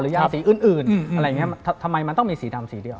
หรือยางสีอื่นทำไมมันต้องมีสีดำสีเดียว